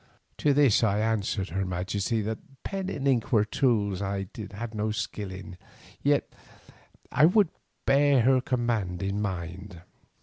To this I answered her Majesty that pen and ink were tools I had no skill in, yet I would bear her command in mind.